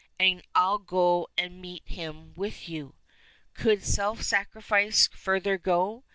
And I'll go and meet him with you. Could self sacrifice further go?